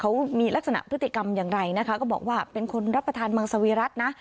เขามีลักษณะพฤติกรรมอย่างไรนะคะก็บอกว่าเป็นคนรับประทานเมืองสวีรัตินะ